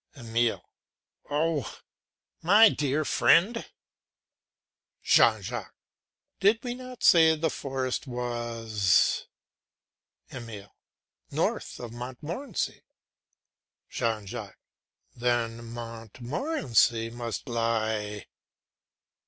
EMILE. Oh! my dear friend! JEAN JACQUES. Did not we say the forest was... EMILE. North of Montmorency. JEAN JACQUES. Then Montmorency must lie...